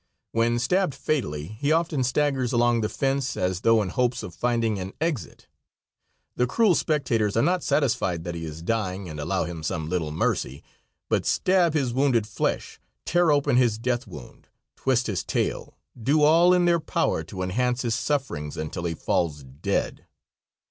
When stabbed fatally he often staggers along the fence, as though in hopes of finding an exit. The cruel spectators are not satisfied that he is dying, and allow him some little mercy, but stab his wounded flesh, tear open his death wound, twist his tail, do all in their power to enhance his sufferings until he falls dead.